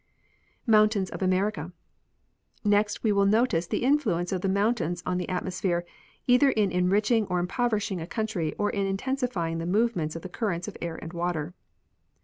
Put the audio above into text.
Mountains of America. Next we will notice the influence of the mountains on the atmosphere, either in enriching or impoverishing a country, or in intensifying the movements of the currents of air and water.